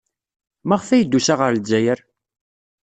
Maɣef ay d-tusa ɣer Lezzayer?